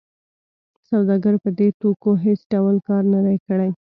سوداګر په دې توکو هېڅ ډول کار نه دی کړی